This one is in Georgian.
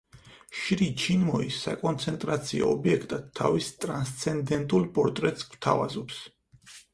შრი ჩინმოი საკონცენტრაციო ობიექტად თავის „ტრანსცენდენტულ პორტრეტს“ გვთავაზობს.